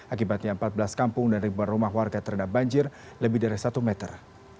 akibatnya empat belas kampung dan ribuan rumah warga terendam banjir lebih dari satu meter